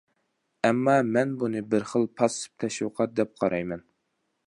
ئەمما مەن بۇنى بىر خىل پاسسىپ تەشۋىقات دەپ قارايمەن.